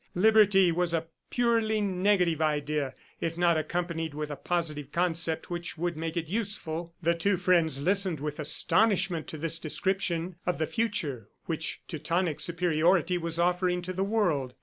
Liberty was a purely negative idea if not accompanied with a positive concept which would make it useful. The two friends listened with astonishment to this description of the future which Teutonic superiority was offering to the world.